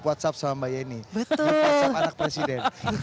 usama bayi radio in knegaraaren public studio